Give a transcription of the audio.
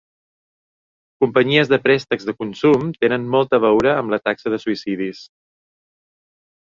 Companyies de préstecs de consum tenen molt a veure amb la taxa de suïcidis.